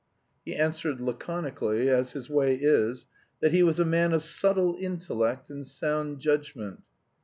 He answered laconically, as his way is, that he was a man of subtle intellect and sound judgment.